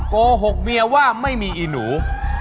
โกหกเมียว่าไม่มีอีหนู